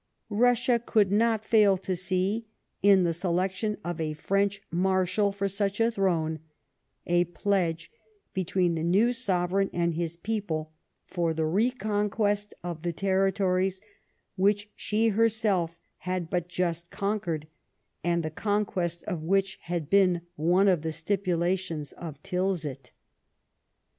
Russia could not fail to see, in the selection of a French Marshal for such a throne, a pledge between the new sovereign and his people for the re con quest of the territories which she herself had but just conquered, and the conquest of which had been one of the stipulations of Tilsit.